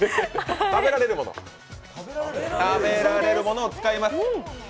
食べられるものを使います。